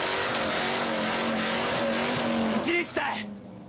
１日たい！